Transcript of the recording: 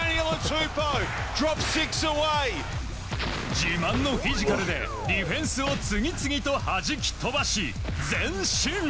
自慢のフィジカルでディフェンスを次々と弾き飛ばし前進。